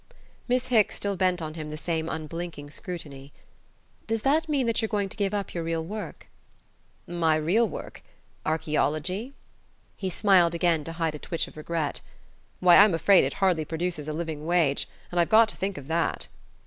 Miss Hicks still bent on him the same unblinking scrutiny. "Does that mean that you're going to give up your real work?" "My real work archaeology?" He smiled again to hide a twitch of regret. "Why, I'm afraid it hardly produces a living wage; and I've got to think of that."